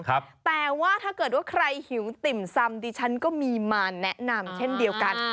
แต่ว่าถ้าเกิดว่าใครหิวติ่มซำดิฉันก็มีมาแนะนำเช่นเดียวกัน